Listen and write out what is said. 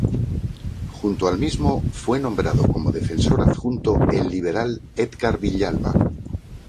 Junto al mismo, fue nombrado como defensor adjunto el liberal Edgar Villalba.